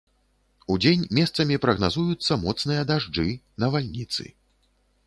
Удзень месцамі прагназуюцца моцныя дажджы, навальніцы.